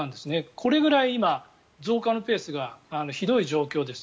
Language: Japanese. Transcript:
これぐらい今、増加のペースがひどい状況です。